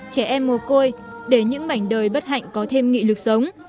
trẻ em mồ côi để những mảnh đời bất hạnh có thêm nghị lực sống